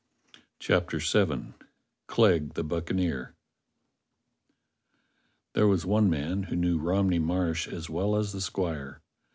CHAPTER Vn CLEGG THE BUCCANEER THERE was one man who knew Romney Marsh as well as the squire.